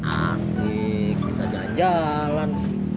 asik bisa jalan jalan